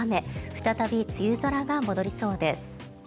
再び梅雨空が戻りそうです。